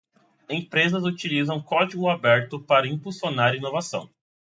Empresas utilizam código aberto para impulsionar inovação.